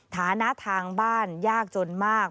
ฐานะทางบ้านยากจนมาก